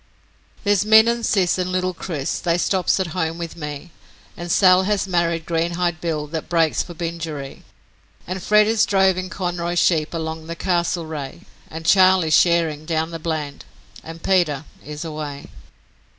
'There's Min and Sis and little Chris, they stops at home with me, And Sal has married Greenhide Bill that breaks for Bingeree. And Fred is drovin' Conroy's sheep along the Castlereagh, And Charley's shearin' down the Bland, and Peter is away.'